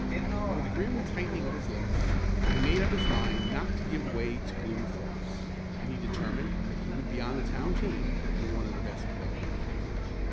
But with a grim tightening of his lips he made up his mind not to give way to gloomy thoughts, and he determined that he would be on the town team and one of the best players.